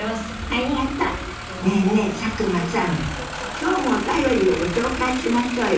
今日もお便りをご紹介しましょうよ。